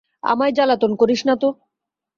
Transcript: আমায় জ্বালাতন করিস না তো।